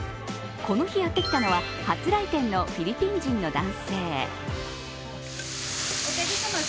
この日やってきたのは、初来店のフィリピン人の男性。